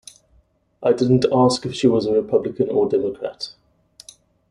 I didn't ask if she was a Republican or Democrat.